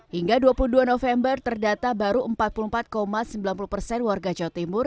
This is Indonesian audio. hingga dua puluh dua november terdata baru empat puluh empat sembilan puluh persen warga jawa timur